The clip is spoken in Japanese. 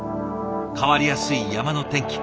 変わりやすい山の天気。